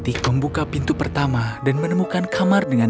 dia membungkus mas tentu dia sendiri dengan kue bengkak